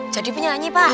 jadi penyanyi pak